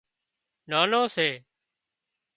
نانو سي